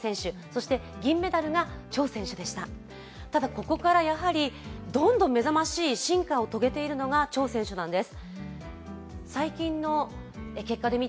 ここからどんどん目覚ましい進化を遂げているのが張選手なんです。